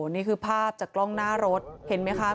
นี่คือภาพจากกล้องหน้ารถเห็นไหมคะ